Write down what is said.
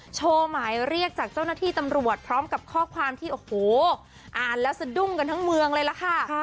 หมายเรียกจากเจ้าหน้าที่ตำรวจพร้อมกับข้อความที่โอ้โหอ่านแล้วสะดุ้งกันทั้งเมืองเลยล่ะค่ะ